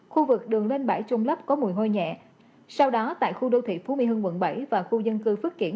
khu vực đường lên bãi trung lấp có mùi hôi nhẹ sau đó tại khu đô thị phú mỹ hưng quận bảy và khu dân cư phước kiển